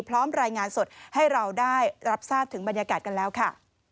พร้อมรายงานสดให้เราได้รับทราบถึงบรรยากาศกันแล้วค่ะ